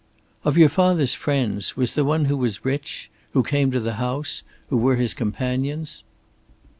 "Of your father's friends, was there one who was rich? Who came to the house? Who were his companions?"